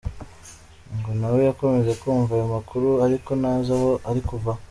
Ngo nawe yakomeje kumva ayo makuru ariko ntazi aho ari kuva.